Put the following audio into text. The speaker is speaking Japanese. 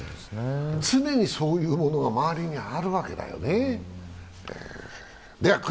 常にそういうものが周りにあるわけだよね。